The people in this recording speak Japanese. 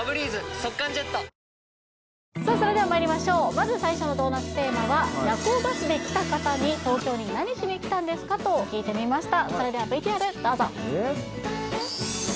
まず最初のドーナツテーマは夜行バスで来た方に「東京に何しに来たんですか？」と聞いてみました